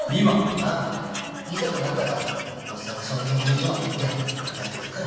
あぁいざとなったらおじさんがその研究所まで行って掛け合ってくっから。